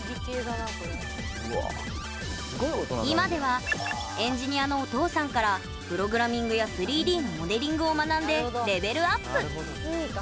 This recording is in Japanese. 今ではエンジニアのお父さんからプログラミングや３Ｄのモデリングを学んでレベルアップ。